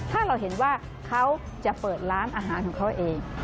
ถ้าเราเห็นว่าเขาจะเปิดร้านอาหารของเขาเอง